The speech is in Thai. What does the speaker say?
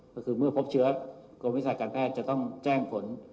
ก็คือเมื่อพบเชื้อกรมวิชาการแพทย์จะต้องแจ้งผล